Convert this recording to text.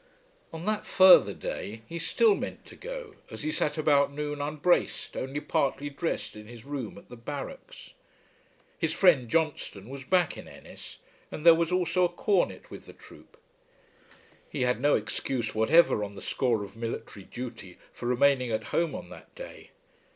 On that further day he still meant to go, as he sat about noon unbraced, only partly dressed in his room at the barracks. His friend Johnstone was back in Ennis, and there was also a Cornet with the troop. He had no excuse whatever on the score of military duty for remaining at home on that day.